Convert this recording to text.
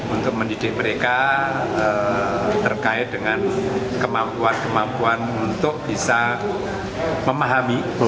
untuk mendidik mereka terkait dengan kemampuan kemampuan untuk bisa memahami